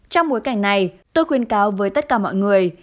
trong bối cảnh này tôi khuyên cáo với tất cả mọi người